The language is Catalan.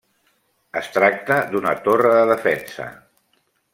Es tracta d'una torre de defensa.